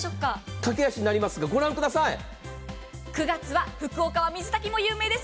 駆け足になりますが、ご覧ください福岡は水炊きも有名です。